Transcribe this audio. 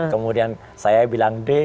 kemudian saya bilang d